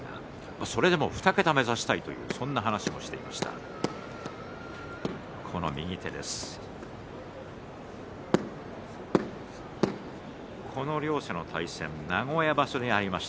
それでも２桁を目指したいそういう話をしていました。